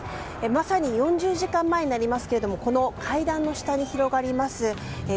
まさに４０時間前になりますがこの階段の下に広がります